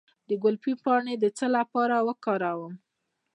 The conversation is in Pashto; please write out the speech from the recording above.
د ګلپي پاڼې د څه لپاره وکاروم؟